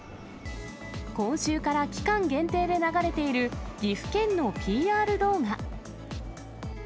今週から期間限定で流れている、岐阜県のＰＲ動画。